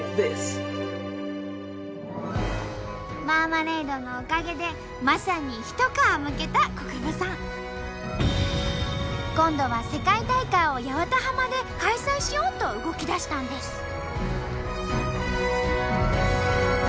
マーマレードのおかげでまさに一皮むけた國分さん。今度は世界大会を八幡浜で開催しようと動きだしたんです。